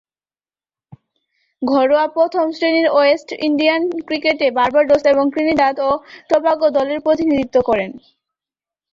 ঘরোয়া প্রথম-শ্রেণীর West Indian ক্রিকেটে বার্বাডোস এবং ত্রিনিদাদ ও টোবাগো দলের প্রতিনিধিত্ব করেন।